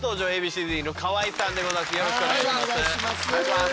よろしくお願いします。